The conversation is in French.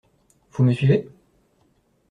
Vous me suivez?